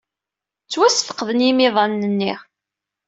Ttwasfeqden yimiḍanen-nni.